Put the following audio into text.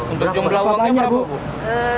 untuk jumlah uangnya berapa